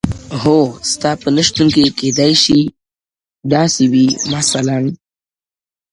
هو ستا په نه شتون کي کيدای سي؛ داسي وي مثلأ؛